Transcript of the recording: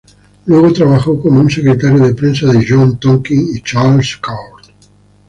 Luego trabajó como un secretario de prensa de John Tonkin y Charles Court.